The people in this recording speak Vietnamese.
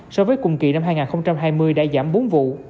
so với cùng kỳ năm hai nghìn hai mươi đã giảm bốn vụ